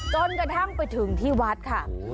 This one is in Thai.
จนกระทั่งไปถึงที่วัดค่ะ